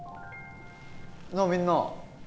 なあみんな！